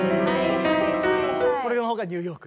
これのほうがニューヨーク。